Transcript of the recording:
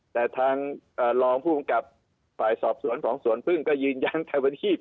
แต่ทางอ่ารองผู้บังกับฝ่ายสอบสวนของสวนพึ่งก็ยืนยังทางพระที่